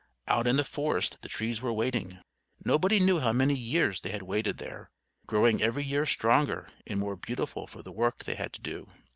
Out in the forest the trees were waiting. Nobody knew how many years they had waited there, growing every year stronger and more beautiful for the work they had to do.